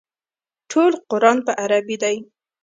ټول قران په عربي دی.